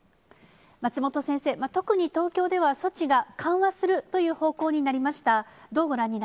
松本先生、特に東京では、措置が緩和するという方向になりました。